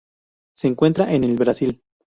Se encuentra en el Brasil,